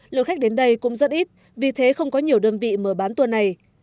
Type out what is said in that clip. lượng khách đến đây cũng rất ít vì thế không có nhiều đơn vị mở bán tour này